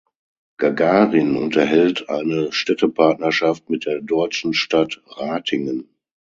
Gagarin unterhält eine Städtepartnerschaft mit der deutschen Stadt Ratingen.